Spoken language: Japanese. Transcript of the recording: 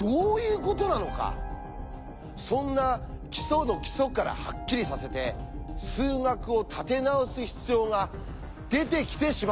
そんな基礎の基礎からハッキリさせて数学を立て直す必要が出てきてしまったんです！